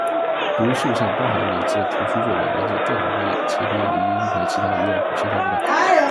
读秀上包含两词的图书作者来自各行各业，词频理应和其他语料库相差不大。